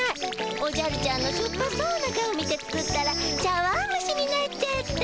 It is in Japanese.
おじゃるちゃんのしょっぱそうな顔見て作ったら茶わんむしになっちゃった。